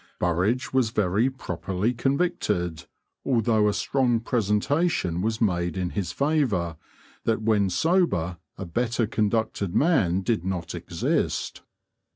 Burridge was very properly convicted, although a strong presentation was made in his favour, that when sober a better conducted man did not exist.